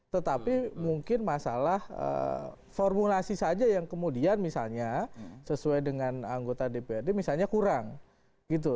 tetapi mungkin masalah formulasi saja yang kemudian misalnya sesuai dengan anggota dprd misalnya kurang gitu